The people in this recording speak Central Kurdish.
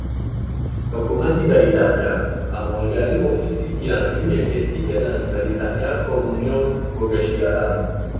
حکومەتی بەریتانیا، - ئامۆژگاری ئۆفیسی بیانی و یەکێتی گەلانی بەریتانیا کۆمونیڵس بۆ گەشتیاران